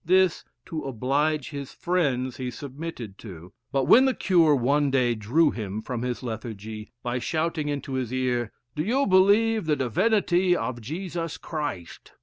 This, to oblige his friends, he submitted to; but when the cure one day drew him from his lethargy by shouting into his ear, "Do you believe the divinity of Jesus Christ?"